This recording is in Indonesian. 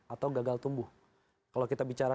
atau gagal tumbuh kalau kita bicara